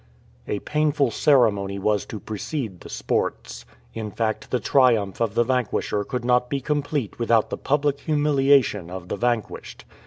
A painful ceremony was to precede the sports. In fact, the triumph of the vanquisher could not be complete without the public humiliation of the vanquished.